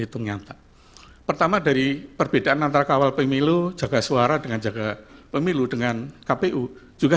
hitung nyata pertama dari perbedaan antara kawal pemilu jaga suara dengan jaga pemilu dengan kpu juga